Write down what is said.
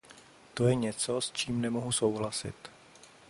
To je něco, s čím nemohu souhlasit.